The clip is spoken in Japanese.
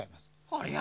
ありゃ。